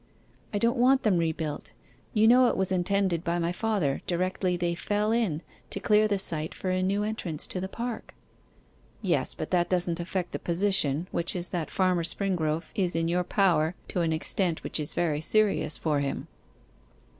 'I don't want them rebuilt; you know it was intended by my father, directly they fell in, to clear the site for a new entrance to the park?' 'Yes, but that doesn't affect the position, which is that Farmer Springrove is in your power to an extent which is very serious for him.